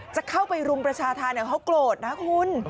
จะเข้าไปรุมประชาธารเนี่ยเขากลดนะคุณ